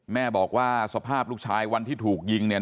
แม่บอกว่าสภาพลูกชายวันที่ถูกยิงเนี่ย